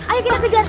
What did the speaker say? ayo kita kejar